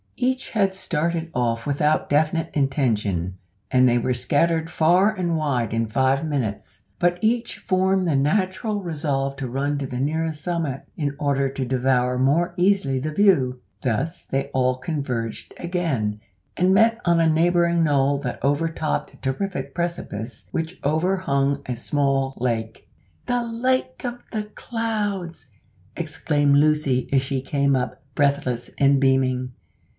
Each had started off without definite intention, and they were scattered far and wide in five minutes, but each formed the natural resolve to run to the nearest summit, in order to devour more easily the view. Thus they all converged again and met on a neighbouring knoll that overtopped a terrific precipice which over hung a small lake. "The Lake of the Clouds!" exclaimed Lucy, as she came up, breathless and beaming.